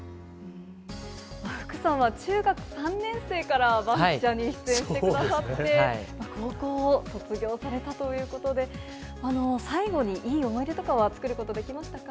福さんは中学３年生からバンキシャに出演してくださって、高校を卒業されたということで、最後にいい思い出とかは作ることできましたか？